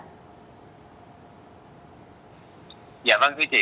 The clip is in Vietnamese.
dạ vâng thưa quý vị